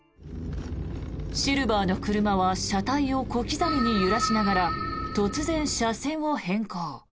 シルバーの車は車体を小刻みに揺らしながら突然、車線を変更。